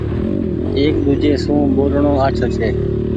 ايڪ ۮوجهي سون ٻولڻو آڇو ڇي۔